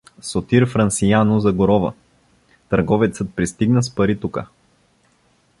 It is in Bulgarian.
Сотир Франсияно, за Горова. Търговецът пристигна с пари тука.